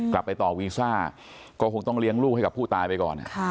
ไปต่อวีซ่าก็คงต้องเลี้ยงลูกให้กับผู้ตายไปก่อน